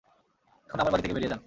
এখন আমার বাড়ি থেকে বেরিয়ে যান।